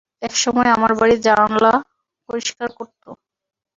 একসময় আমার বাড়ির জানালা পরিষ্কার করত।